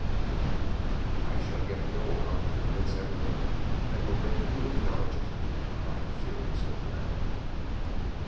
"I shall yet know how to convince everyone, and will make you acknowledge it," cried the furious old man.